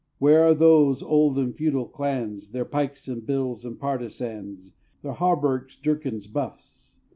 Where are those old and feudal clans, Their pikes, and bills, and partisans, Their hauberks, jerkins, buffs?